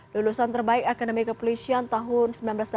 lulusan terbaik akademi kepolisian tahun seribu sembilan ratus delapan puluh